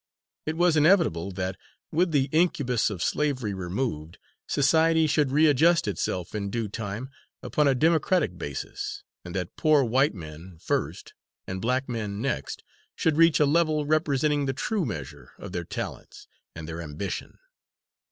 It was inevitable that, with the incubus of slavery removed, society should readjust itself in due time upon a democratic basis, and that poor white men, first, and black men next, should reach a level representing the true measure of their talents and their ambition.